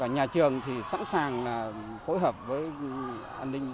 nhà trường sẵn sàng phối hợp với an ninh